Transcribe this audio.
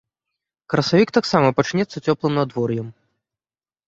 Красавік таксама пачнецца цёплым надвор'ем.